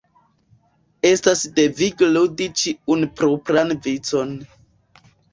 Estas devige ludi ĉiun propran vicon.